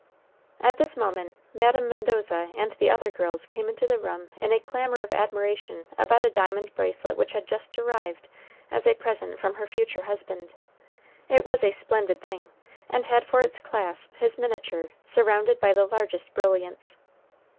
At this moment Madame Mendoza and the other girls came into the room in a clamor of admiration about a diamond bracelet which had just arrived as a present from her future husband. It was a splendid thing, and had for its clasp his miniature, surrounded by the largest brilliants.